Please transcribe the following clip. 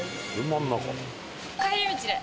帰り道で。